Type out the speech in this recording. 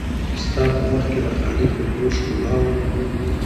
چي ستا په مخ کي د خالق د کور ښکلا ووینم